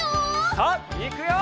さあいくよ！